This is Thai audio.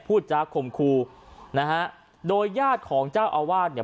พูดจากข่มครูนะฮะโดยญาติของเจ้าอาวาสเนี่ย